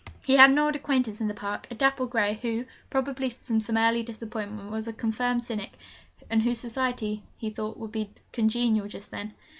He had an old acquaintance in the Park, a dapple grey, who, probably from some early disappointment was a confirmed cynic, and whose society he thought would be congenial just then.